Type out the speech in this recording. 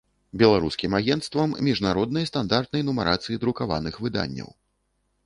Беларускiм агенцтвам мiжнароднай стандартнай нумарацыi друкаваных выданняў.